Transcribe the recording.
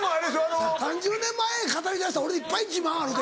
３０年前語り出したら俺いっぱい自慢あるで。